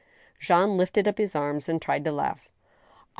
" Jean lifted up his arms, and tried to laugh. " Oh